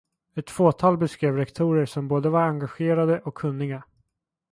Ett fåtal beskrev rektorer som både var engagerade och kunniga.